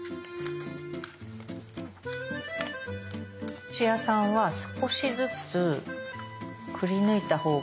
土屋さんは少しずつくりぬいたほうが。